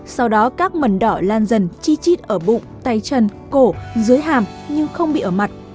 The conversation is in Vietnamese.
sau đó các mầm đỏ lan dần chi chít ở bụng tay chân cổ dưới hàm nhưng không bị ở mặt